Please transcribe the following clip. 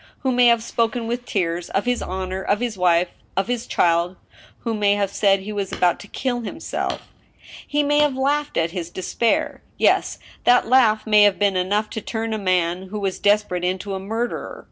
who may have spoken with tears, of his honor, of his wife, of his child — who may have said he was about to kill himself. He may have laughed at his despair. Ye&~that laugh may have been enough to turn a man who was desperate into a murderer.